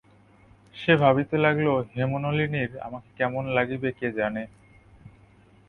সে ভাবিতে লাগিল, হেমনলিনীর আমাকে কেমন লাগিবে কে জানে।